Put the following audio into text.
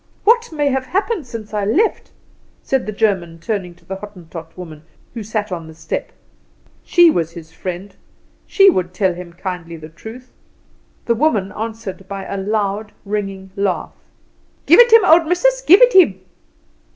What may have happened since I left?" said the German, turning to the Hottentot woman, who sat upon the step. She was his friend; she would tell him kindly the truth. The woman answered by a loud, ringing laugh. "Give it him, old missis! Give it him!"